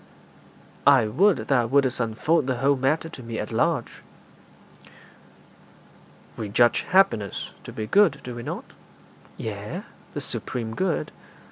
'I would thou wouldst unfold the whole matter to me at large.' 'We judge happiness to be good, do we not?' 'Yea, the supreme good.'